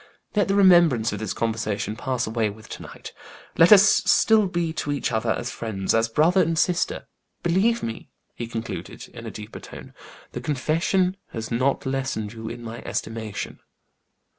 Let the remembrance of this conversation pass away with to night; let us still be to each other as friends as brother and sister. Believe me," he concluded, in a deeper tone, "the confession has not lessened you in my estimation."